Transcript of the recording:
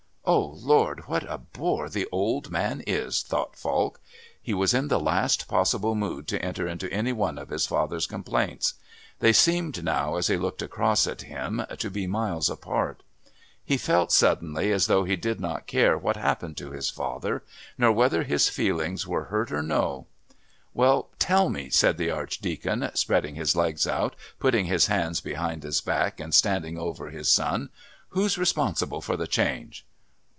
"Oh, Lord! what a bore the old man is!" thought Falk. He was in the last possible mood to enter into any of his father's complaints. They seemed now, as he looked across at him, to be miles apart. He felt, suddenly, as though he did not care what happened to his father, nor whether his feelings were hurt or no "Well, tell me!" said the Archdeacon, spreading his legs out, putting his hands behind his back and standing over his son. "Who's responsible for the change?"